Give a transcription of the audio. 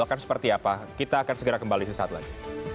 akan seperti apa kita akan segera kembali sesaat lagi